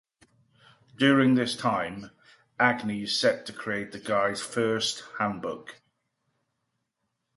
During this time, Agnes set to create the Guides' first handbook.